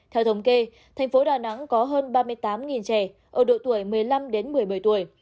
theo thống kê tp hcm có hơn ba mươi tám trẻ ở độ tuổi một mươi năm đến một mươi bảy tuổi